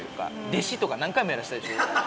「弟子」とか何回もやらしたでしょ？